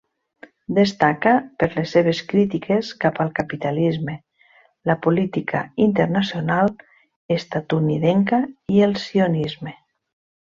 Destaca per les seves crítiques cap al capitalisme, la política internacional estatunidenca i el sionisme.